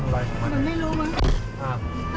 แบบนี้ไม่รู้วะ